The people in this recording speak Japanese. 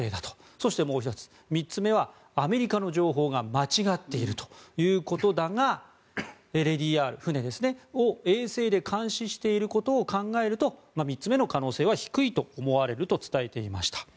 そしてもう１つ、３つ目はアメリカの情報が間違っているということだが「レディーＲ」、船を衛星で監視していることを考えると３つ目の可能性は低いと思われると伝えていました。